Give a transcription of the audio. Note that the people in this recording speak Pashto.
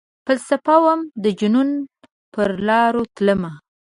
فلسفه وم ،دجنون پرلاروتلمه